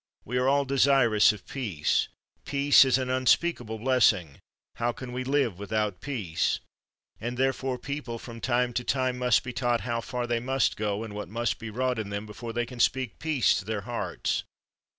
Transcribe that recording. We are all desirous of peace; peace is an unspeakable blessing; how can we live without peace ? And, therefore, peo ple from time to time must be taught how far they must go and what must be wrought in them before they can speak peace to their hearts.